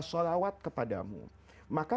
sholawat kepadamu maka